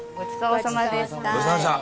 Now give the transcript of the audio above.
お粗末さまでした。